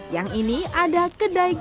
yang ini ada kedai kopi